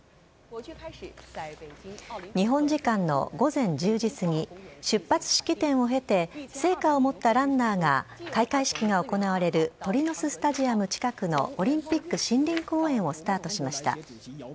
日本時間の午前１０時過ぎ、出発式典を経て、聖火を持ったランナーが開会式が行われる鳥の巣スタジアム近くのオリンピック森林公園をスタートしました。